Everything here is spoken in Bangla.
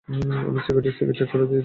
আমি সিকিউরিটি চেক দিয়ে যাচ্ছিলাম।